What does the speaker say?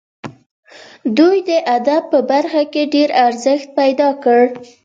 دوی د ادب په برخه کې ډېر ارزښت پیدا کړ.